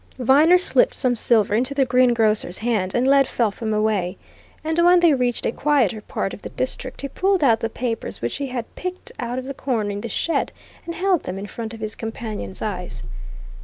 Viner slipped some silver into the greengrocer's hand and led Felpham away. And when they reached a quieter part of the district, he pulled out the papers which he had picked out of the corner in the shed and held them in front of his companion's eyes.